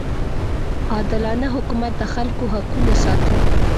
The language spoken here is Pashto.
عادلانه حکومت د خلکو حقونه ساتي.